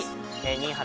新原